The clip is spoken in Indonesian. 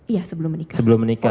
iya sebelum menikah